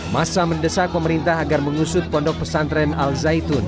masa mendesak pemerintah agar mengusut pondok pesantren al zaitun